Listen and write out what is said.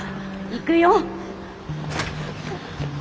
行くよ。